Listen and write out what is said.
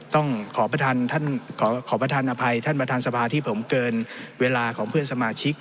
ต้องขอประธานอภัยท่านประธานสภาที่ผมเกินเวลาของเพื่อนสมาชิก